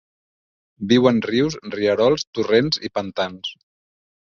Viu en rius, rierols, torrents i pantans.